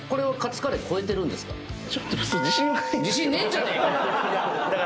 自信ねえんじゃねえかよ！